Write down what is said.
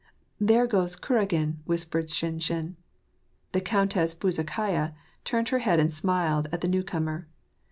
" There goes Kuragin," whispered Shinshin. The Countess Bezukhaya turned her head and smiled at the new comer.